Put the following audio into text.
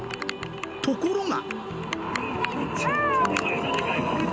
ところが。